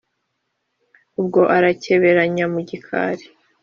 Ubwo arakeberanya mu gikari